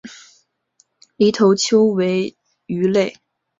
犁头鳅为平鳍鳅科犁头鳅属的鱼类。